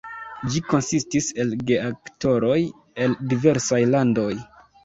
Ĝi konsistis el geaktoroj el diversaj landoj.